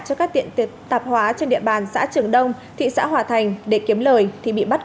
cho các tiện tạp hóa trên địa bàn xã trường đông thị xã hòa thành để kiếm lời thì bị bắt quả tăng